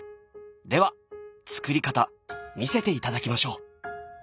では作り方見せていただきましょう。